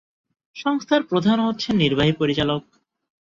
সংস্থার প্রধান হচ্ছেন নির্বাহী পরিচালক।